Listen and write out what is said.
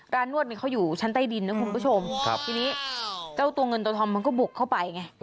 นวดเนี่ยเขาอยู่ชั้นใต้ดินนะคุณผู้ชมทีนี้เจ้าตัวเงินตัวทองมันก็บุกเข้าไปไง